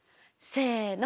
せの。